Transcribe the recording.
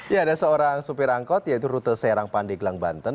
ya ada seorang supir angkot yaitu rute serang pandeglang banten